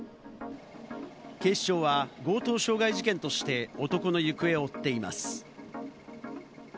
警視庁は強盗傷害事件として男の行方を追っています。